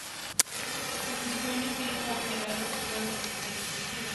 Sus funciones tienen como finalidad la satisfacción de los intereses colectivos.